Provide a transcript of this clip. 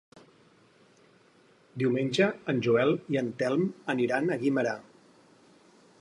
Diumenge en Joel i en Telm aniran a Guimerà.